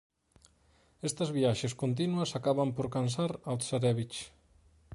Estas viaxes continuas acaban por cansar ao tsarévich.